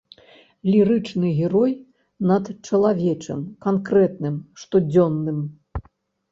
Лірычны герой над чалавечым, канкрэтным, штодзённым.